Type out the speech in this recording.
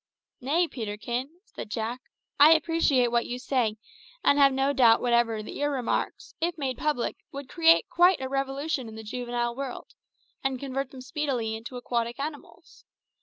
"Nay, Peterkin," said Jack; "I appreciate what you say, and have no doubt whatever that your remarks, if made public, would create quite a revolution in the juvenile world, and convert them speedily into aquatic animals.